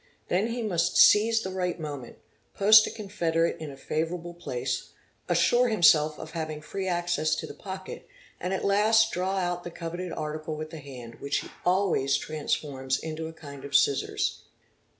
Then he must seize the right moment, post a confederate in a favourable place, assure him self of having free access to the pocket, and at last draw out the coveted ~ article with the hand, which he always transforms into a kind of scissors.